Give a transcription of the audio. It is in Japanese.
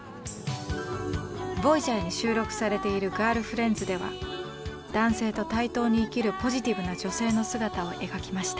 「ＶＯＹＡＧＥＲ」に収録されている「ガールフレンズ」では男性と対等に生きるポジティブな女性の姿を描きました。